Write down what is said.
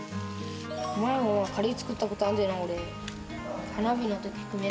前もカレー作ったことあるんだよな、俺。